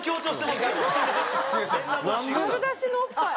丸出しのおっぱい。